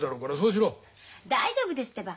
大丈夫ですってば。